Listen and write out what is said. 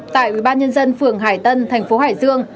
tại ubnd phường hải tân thành phố hải dương